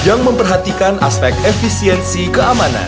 yang memperhatikan aspek efisiensi keamanan